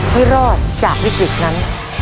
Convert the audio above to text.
ให้รอดจากวิกฤตนั้น